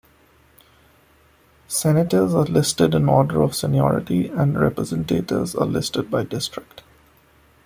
Senators are listed in order of seniority, and Representatives are listed by district.